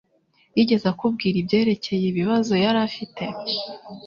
Yigeze akubwira ibyerekeye ibibazo yari afite?